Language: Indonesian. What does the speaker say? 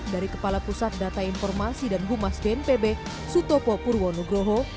dari kepala pusat data informasi dan humas bnpb sutopo purwonugroho